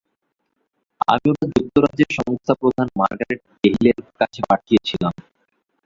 আমি ওটা যুক্তরাজ্যের সংস্থা-প্রধান মার্গারেট কেহিলের কাছে পাঠিয়েছিলাম।